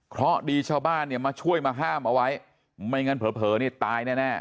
เพราะดีชาวบ้านเนี่ยมาช่วยมาห้ามเอาไว้ไม่งั้นเผลอนี่ตายแน่แน่